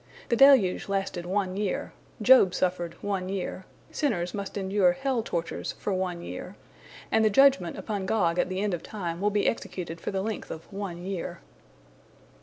The deluge lasted one year; Job suffered one year; sinners must endure hell tortures for one year, and the judgment upon Gog at the end of time will be executed for the length of one year.